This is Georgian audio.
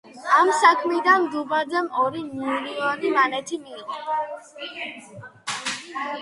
ამ საქმიდან დუმბაძემ ორი მილიონი მანეთი მიიღო.